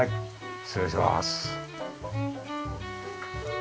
失礼します。